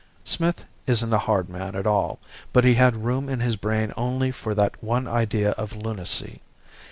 Smith isn't a hard man at all, but he had room in his brain only for that one idea of lunacy.